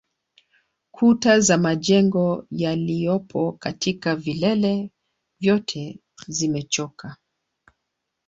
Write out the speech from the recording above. Kuta za majengo yaliyopo katika vilele vyote zimechoka